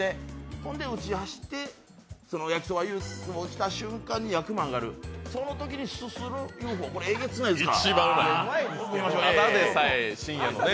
ほんでうちに走って焼きそばＵ．Ｆ．Ｏ．ができたときに役満上がる、そのときにすするＵ．Ｆ．Ｏえげつないですから。